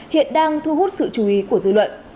hiện đang thu hút sự chú ý của dư luận